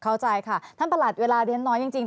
เข้าใจครับท่านปลอดภัยเวลาเลี้ยหน้ายังจริง